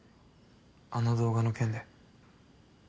あの動画の件で。